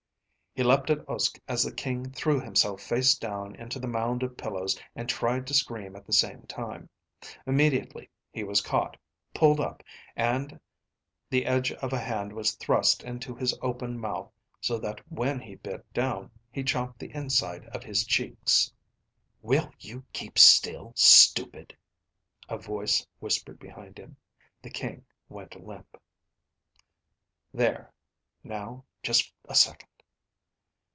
He leaped at Uske as the King threw himself face down into the mound of pillows and tried to scream at the same time. Immediately he was caught, pulled up, and the edge of a hand was thrust into his open mouth so that when he bit down, he chomped the inside of his cheeks. "Will you keep still, stupid?" a voice whispered behind him. The King went limp. "There, now just a second."